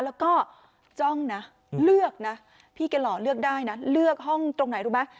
แล้วก็จ้องนะเลือกนะพี่แกหล่อเลือกได้นะเลือกห้องตรงไหนรู้ไหม